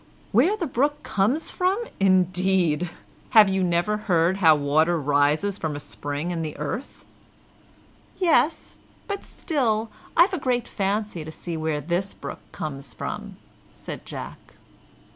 Where the brook comes from, indeed! Have you never heard how water rises from a spring in the earth?" "Yes; but still I've a great fancy to see where this brook comes from," said Jack.